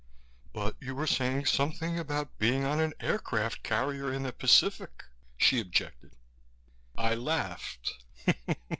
"But you were saying something about being on an aircraft carrier in the Pacific," she objected. I laughed.